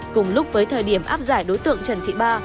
cùng lúc với thời điểm áp giải đối tượng trần thị ba